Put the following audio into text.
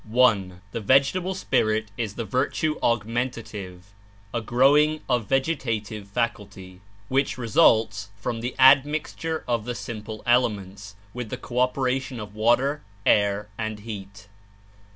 " I . The vegetable spirit Is the virtue augmentative (a growing or vegetative faculty), which results 119 from the admixture of the simple elements, with the cooperation of water, air and heat.